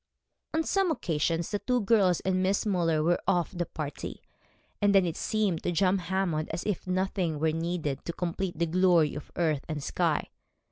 On some occasions the two girls and Miss Müller were of the party, and then it seemed to John Hammond as if nothing were needed to complete the glory of earth and sky.